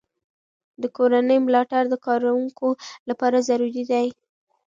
د کورنۍ ملاتړ د کارکوونکو لپاره ضروري دی.